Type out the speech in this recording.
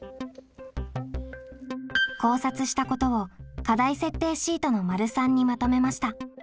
考察したことを課題設定シートの③にまとめました。